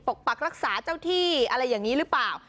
ปักรักษาเจ้าที่อะไรอย่างนี้หรือเปล่า